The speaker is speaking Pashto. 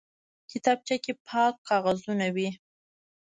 کتابچه کې پاک کاغذونه وي